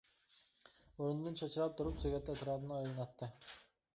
ئورنىدىن چاچراپ تۇرۇپ، سۆگەت ئەتراپىنى ئايلىناتتى.